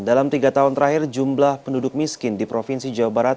dalam tiga tahun terakhir jumlah penduduk miskin di provinsi jawa barat